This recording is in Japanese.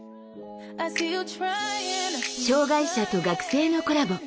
障害者と学生のコラボ